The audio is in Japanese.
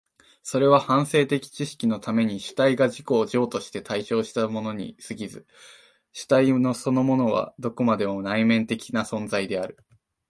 それは反省的知識のために主体が自己を譲渡して対象としたものに過ぎず、主体そのものはどこまでも内面的な存在である。